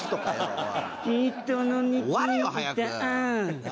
おい。